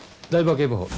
警部補